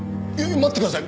待ってください。